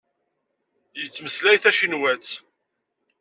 Yettmeslay tacinwat.